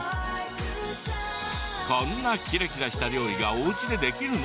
こんなキラキラした料理がおうちでできるの？